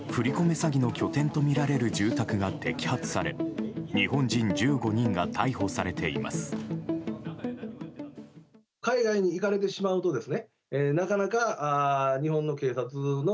詐欺の拠点とみられる住宅が摘発され日本人１５人が逮捕されています。